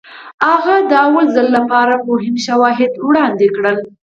هغه د لومړي ځل لپاره مهم شواهد وړاندې کړل.